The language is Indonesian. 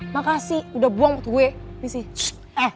makasih udah buang waktu gue